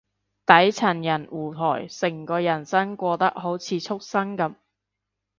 底層人互害，成個人生過得好似畜生噉